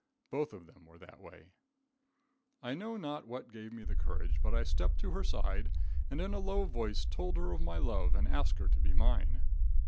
Both of them were that way, I know not what gave me the courage, but I stepped to her side, and in a low voice told her of my love and asked her to be mine.